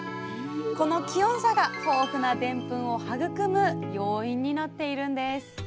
この気温差が豊富なでんぷんを育む要因になっているんです